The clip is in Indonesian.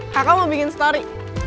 kakak mau bikin story